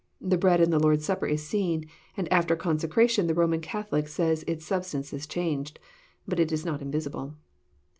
The bread in the Lord's Supper is seen, and after consecration the Roman Cath olic says its substance is changed. Bnt it is not invisible.